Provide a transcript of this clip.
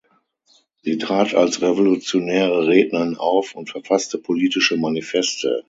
Sie trat als revolutionäre Rednerin auf und verfasste politische Manifeste.